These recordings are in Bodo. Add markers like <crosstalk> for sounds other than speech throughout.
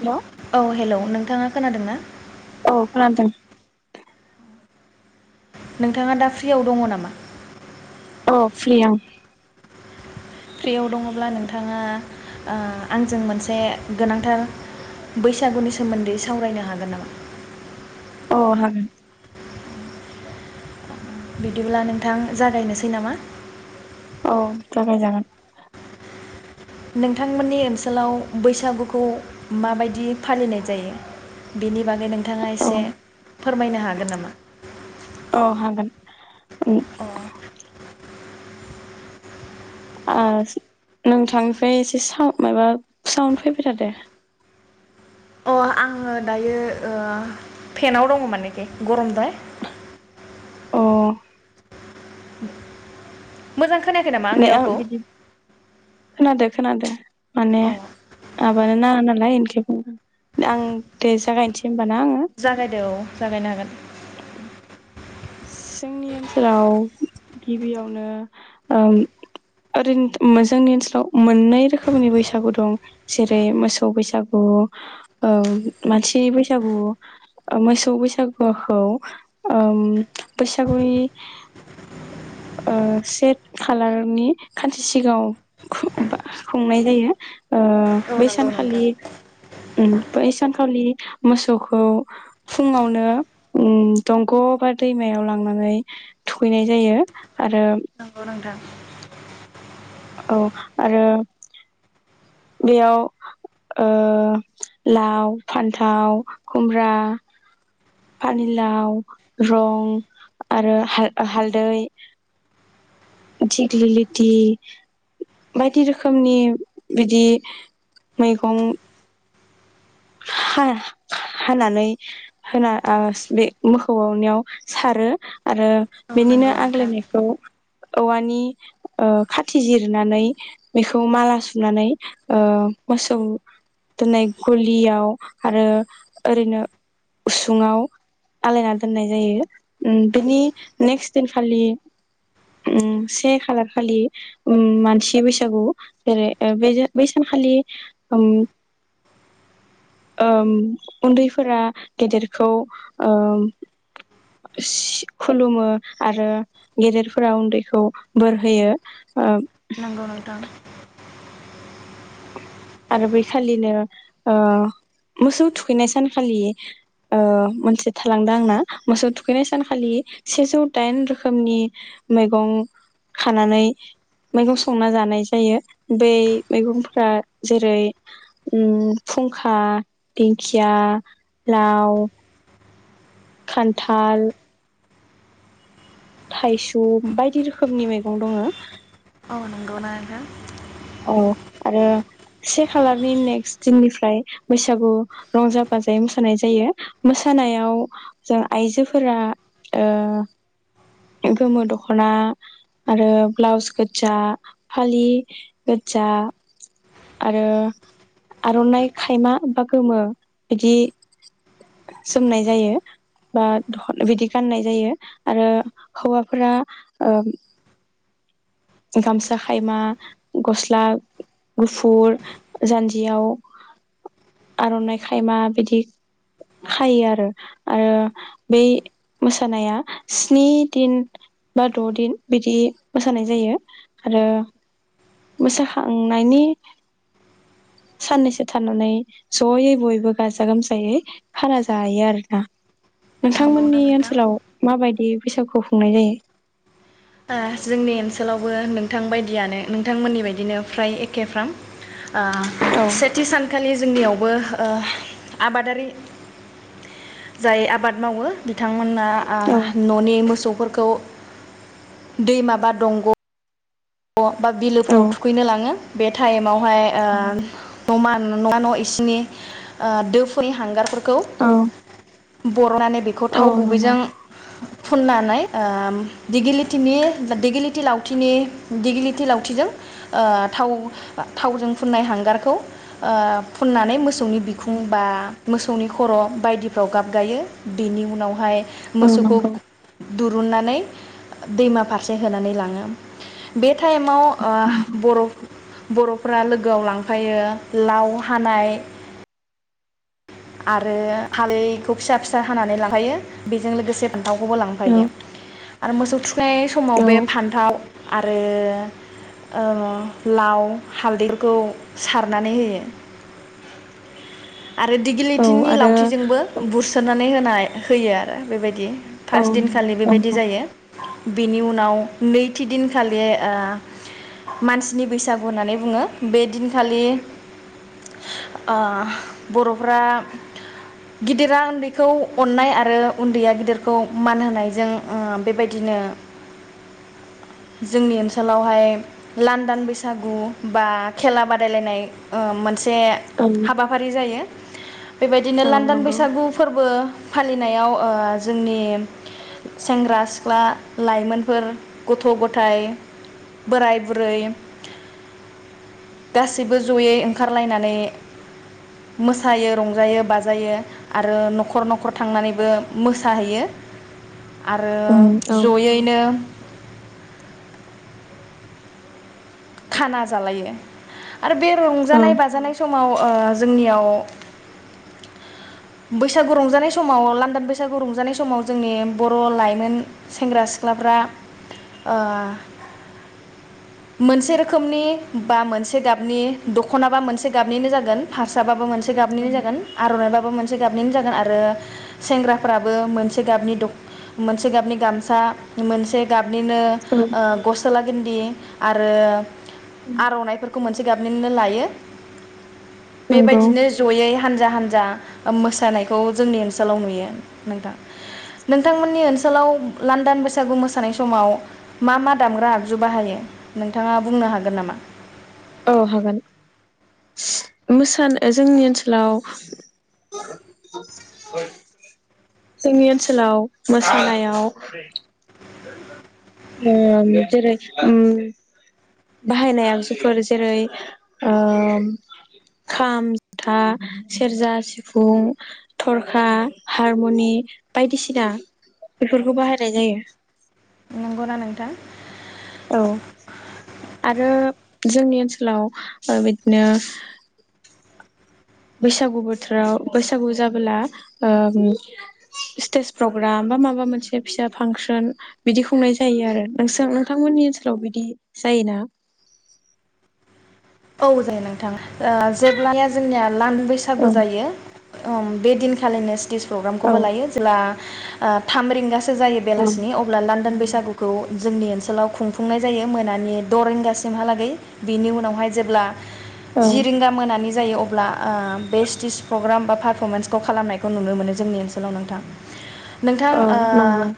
हेलौ औ हेलौ नोंथाङा खोनादों ना औ खोनादों नोंथाङा दा फ्रियाव दङ नामा? अ फ्रियाव आं फ्रियाव दङब्ला नोंथाङा ओ आंजों मोनसे गोनांथार बैसागुनि सोमोन्दै सावरायनो हागोन नामा? अ हागोन। बिदिब्ला नोंथां जागायनोसै नामा औ जागायजागोन। नोंथांमोननि ओनसोलाव बैसागुखौ माबायदि फालिनाय जायो बेनि बागै नों नोंथाङा औ एसे फोरमायनो हागोन नामा? उ अ अ नोंथांनिफ्राय एसे स माबा साउन फैबाय थादो आंङो दायो फेनाव दङ मानेखि गरमद्राय <inaudible> अ मोजां खोनायाखै नामा नै आंनि आ रावखौ बिदि खोनादों। खोनादों। माने अ <unintelligible> <unintelligible> आं दे जागायनोसै <unintelligible> जागायदो औ जागायनो हागोन। जोंनि ओनसोलाव गिबियावनो ओ ओरैनो जोंनि ओनसोलाव मोननै रोखोमनि बैसागु दं जेरै मोसौ बैसागु मानसि बैसागु मोसौ बैसागुखौ बैसागुनि ओ से खालारनि खानसे सिगाङाव <unintelligible> खुंनाय जायो। औ नंगौ नोंथां। बैसानखालि बै सानखालि मोसौखौ फुङावनो ओम दंग' बा दैमायाव लांनानै थुखैनाय जायो। आरो नोंगौ नोंथां। औ आरो बेयाव ओ लाव, फान्थाव, खुमब्रा, पानिलाव रं आरो हालदै दिग्लिलिथि बायदि रोखोमनि बिदि मैगं हा-हा-हानानै होना बे मोसौआवनियाव सारो। आरो औ बेनिनो नंगौ नोंथां आग्लायनायखौ औवानि ओ खाथि जिरनानै बेखौ माला सुनानै ओ मोसौ दोननाय गलियाव आरो ओरैनो उसुङाव आलायना दोननाय जायो उम बेनि नेक्स्ट दिनखालि से खालार खालि उ मानसि बैसागु जेरै बे बै सानखालि ओम उन्दैफोरा गेदेरखौ ओम सि खुलुमो आरो गेदेरफोरा उन्दैखौ बोर होयो। ओ नंगौ नोंथां। आरो बैखालिनो ओ मोसौ थुखैनाय सानखालि ओ मोनसे थालांदों आंना मोसौ थुखैनाय सानखालि सेजौ दाइन रोखोमनि मैगं खानानै मैगं संना जानाय जायो बै मैगंफोरा जेरै ओम फुंखा, दिंखिया, लाव खान्थाल थाइसुम बायदि रोखोमनि मैगं दङ। औ नंगौना नोंथां? औ आरो से खालारनि नेक्स्ट दिननिफ्राय बैसागु रंजा बाजायै मोसानाय जायो मोसानायाव जों आइजोफोरा ओ गोमो दख'ना आरो ब्लाउस गोजा फालि गोदजा आरो आर'ननाइ खायमा बा गोमो बिदि जोमनाय जायो बा थ बिदि गाननाय जायो आरो हौवाफोरा ओ गामसा खायमा गस्ला गुफुर, जान्जियाव आर'नाइ खायमा बेदि खायो आरो आरो बै मोसानाया स्नि दिन बा द'दिन बिदि मोसानाय जायो। आरो मोसाखांनायनि साननैसो थानानै जयै बयबो गाजा गोमजायै खाना जायो आरोना नंगौना नोंथांमोननि नोंथां? ओनसोलाव माबायद बे बैसागुखौ खुंनाय जायो। ओ जोंनि ओनसोलावबो नोंथां बायदियानो नोंथांमोननि बायदिनो फ्राय एखे फ्राम ओ औ सेथि सानखालि जोंनियावबो ओ आबादारि जाय आबाद मावो बिथां मोनना आ औ न'नि मोसौफोरख खौ दैमा बा दंग' ग' बा औ बिलोफ्राव थुखैनो लाङो बे थाइमावहाय ओ <unintelligible> न' नंङा न' इसिननि ओ दोनि हांगारफोर खौ औ बर'नानै बेखौ औ थाव नंगौ गुबैजों फुननानै ओम दिगिलिथिनि दिगिलिथि लावथिनि दिगिलिथि लावथिजों ओ थाव थावजों फुननाय हांगारखौ ओ फुननानै मोस सौनि बिखुं औ बा मोसौनि खर' बायदिफ्राव गाब गायो बेनि उनावहाय औ मोसौखौ नंगौ दुरुननानै दैमा फारसे होनानै लाङो बे थाइमाव ओ बर'ब बर'फोरा लोगोआव लांफायो लाव हानाय आरो हा <unintelligible> फिसा फिसा हानानै लांफायो बेजों लोगोसे फान्थावखौबो औ लांफायो आरो मोसौ‌ थु <unintelligible> य समाव औ बे फान्थाव आरो औ लाव हालदैफोरखौ सारनानै होयो आ आरो दिगि औ लिथिनि आरो लावथिजोंबो बुरस्रोदनानै होनाय होयो आरो बेबायदि औ फास दिनखालि बेबायदि नंगौ जायो बिनि उनाव नैथि दिनखालि ओ मानसिनि बैसागु होननानै बुङो बे दिनखालि ओ बर'फ्रा गिदिरा ओन्दैखौ अननाय आरो उन्दैया गिदिरखौ मान होनायजों ओम बेबायदिनो जोंनि ओनसोलावहाय लांनदां बैसागु बा खेला बादायलायनाय ओ मोनस जे औ हाबाफारि जायो बेबायदिनो औ लान्दान नंगौ बैसागु फोरबो फालिनायाव ओ जोंनि सेंग्रा- सिख्ला लाइमोनफोर गथ' गथाय बोराय बुरै गासैबो जयै ओंखारलायनानै मोसायो रंजायो बाजायो आरो न'खर न'खर थांनानैबो मोसाहैयो आरो ओम औ जयैनो खाना जालायो आरो बे औ रंजानाय बाजानाय समाव ओ जोंनियाव बैसागु रंजानाय समाव लान्दां बैसागु रंजानाय समाव जोंनि बर' लाइमोन सेंग्रा सिख्लाफ्रा ओ मोनसे रोखोमनि बा मोनसे गाबनि दखनाबा मोनसे गाबनिनो जागोन फारसाबाबो मोनसे गाबनि जागोन आर'नाय बा बो मोनसे गाबनिनो जागोन आरो सेंग्राफोराबो मोनसे गाबनि दख मोनसे गाबनि गामसा मोनसे गाब निनो औ ओ गसोला गिनदि आरो आर'नाइफोरखौ मोन से गाबनिनो लायो। नंगौ बेबायदिनो जयै हानज जा-हानजा मोसानायखौ जोंनि ओनसोलाव नुयो नोंथां नोंथांमोननि ओनसोलाव लान्दान बैसागु मोसानाय समाव मा-मा दामग्रा आगजु बाहायो। नोंथाङा बुंनो हागोन नामा? औ हागोन मोसानो जोंनि ओलाव जोंनि ओनसोलाव मोसानायाव जेरै उम बाहायनाय आगजुफोर। जेरै ओम खाम जथा सेरजा सिफुं थरखा हारमुनि बायदिसिना बेफोरखौ बाहायनाय जायो। <unintelligible> नोंथां। औ आरो जोंनि ओनसोलाव ओ बिदिनो। बैसागु बोथोराव बैसागु जाबोला ओ स्टेज प्रग्राम बा माबा मोनसे फिसा फांसन बिदि खुंनाय जायो आरो नोंस नोंथांमोननि ओनसोलाव बिदि जायोना? औ जायो नोंथां। ओ जेब्लानिया जोंनिया लान औ बैसागु जायो। ओम बे दिनखालिनोस स्टेज औ प्रग्रामखौबो लायो जेला। ओ थाम रिंगास ओ जायो बेलासिनि अब्ला लान्दान बैसागुखौ। जोंनि ओनसोलाव खुंफुंनाय जायो मोनानि द रिंगासिमहालागै बिनि उनावहाय। जेब्ला औ जि रिंगा मोनानि जायो अब्ला बे स्टेस प्रग्राम बा पारफर्मेन्सखौ खालामनायखौ नुनो मोनो जोंनि ओनसोलाव नोंथां। नोंथां औ नंगौ ओ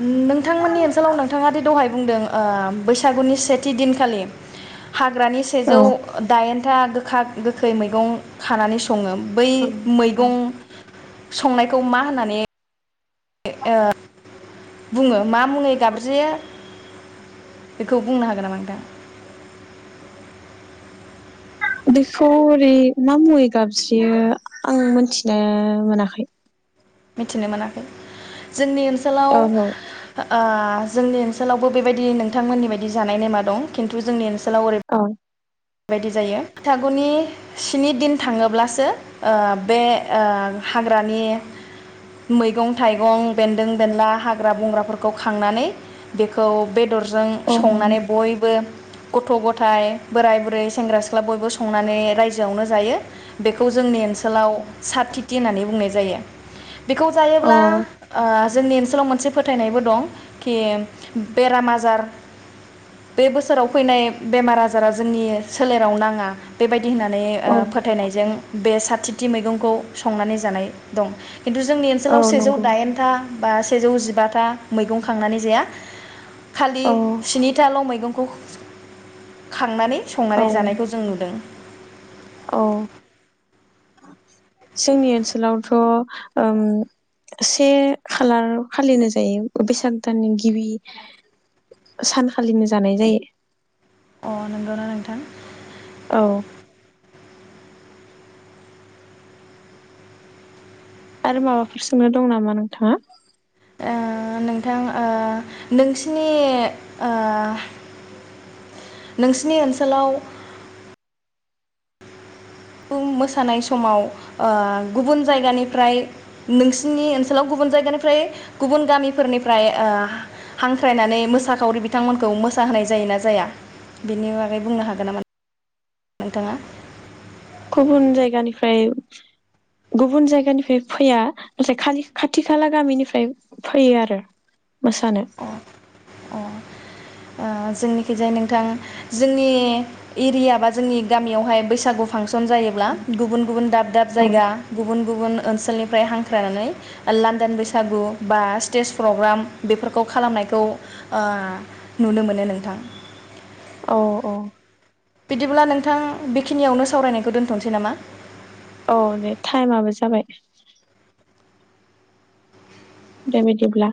नोंथांमोननि ओनसोलाव नोंथाङा दि दहाय बुंदों बैसागुनि सेथि दिनखालि हाग्रानि औ सेजौ दाइन गोखा गोखै मैगं खानानै सं ङो बै मैगं। संनायखौ मा होननानै ओ बुङो मा मुङै गाबज्रियो बेखौ बुंनो हागोन नामा नोंथां? बेखौ ओरै मा मुङै गाबज्रियो आं मोनथिनो मोनाखै। मिथिनो मोनाखै जोंनि ओनसोलाव। औ ओनसालाव ओ जोंनि ओनसोलावबो बेबायदि नोंथांमोननि बायदि जानाय नेमा दं खिन्थु जोंनि ओनसोल <unintelligible> औ बेबायदि जायो बैगुनि स्नि दिन थाङोब्लासो बे हाग्रानि मैगं थाइगं बेन्दों बेन्ला हाग्रा बंग्राफोरखौ खांनानै बेखौ बे बेदरजों औ संनानै बयबो गथ गथाय बोराइ बुरै ओमफ्राय सेंरा सिखला संनानै राइजोयावनो जायो बेखौ जोंनि ओनसोलाव सानथि थे होननानै बुंनाय जायो। बेखौ जायोब्ला औ ओ जोंनि ओ ओनसोलाव मोनसे फोथायनायबो दं खे बेराम आजार बे बोसोराव फैनाय बेमार आजारा जोंनि सोलेराव नाङा बेबायदि होननानै औ फोथायनायजों बे साथि थि मैगंखौ संनानै जानाय दं खिन्थु जोंनि औ ओनसोलाव सेजौ नंगौ दाइनथा बा सेजौ जिबाथा मैगं खांनानै जाया खालि औ स्निथाल' मैगं खौ खांनानै औ संनानै जानायखौ जों नुदों औ जोंनि ओनसोलावथ' उम से खालार खाालिनो जायो बेैसाग दाननि गिबि सान खाालिनो जानाय जायो। अ नंगौना नोंथां? औ आरो माबाफोर सोंनो दं नामा नोंथाङा? ओ नोंथां ओ नोंसिनि ओ नोंसिनि ओनसोलाव मोसानाय समाव ओह गुबुन जायगानिफ्राय नोंसिनि ओनसोलाव गुबुन जायगानिफ्राय गुबुन गामिफोरनिफ्राय ओह हांख्रायनानै मोसाखावरि बिथांमोनखौ मोसाहोनाय जायोना जाया बेनि बागै बुंनो हागोन नामा? नोंथाङा गुबुन जायगानिफ्राय गुबुन जायगानिफ्राय फैया नाथाय खा खाथि खाला गामिनिफ्राय फैयो आरो मोसानो अ ओ जोंनिखिजाय नोंथां जोंनि एरिया बा जोंनि गामियावहाय बैसागु फांसन जायोबला गुबुन गुबुन दाब दाब औ जायगा गुबन गुबुन ओनसोलनिफ्राय हांख्रायनानै लान्दान बैसागु बा स्टेज प्रग्राम बेफोर खौ खालामनायखौ ओ नुनो मोनो नोंथां औ औ बिदिब्ला नोंथां बेखिनियावनो सावरायनायखौ दोन्थ'नोसै नामा? औ दे टाइमाबो जाबाय। दे बिदिब्ला